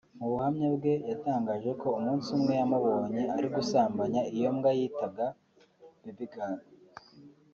Mu buhamya bwe yatangaje ko umunsi umwe yamubonye ari gusambanya iyo mbwa yitaga Baby Girl